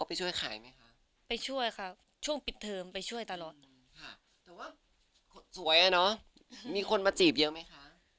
ไปช่วยค่ะช่วงปิดเทอมไปช่วยตลอดแต่ว่าสวยอ่ะเนอะมีคนมาจีบยังไหมคะ